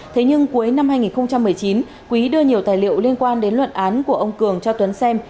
thế nhưng cuối năm hai nghìn một mươi chín quý đưa nhiều tài liệu liên quan đến luận án của ông cường cho tuấn xem